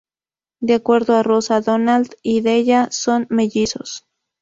De acuerdo a Rosa, Donald y Della son mellizos.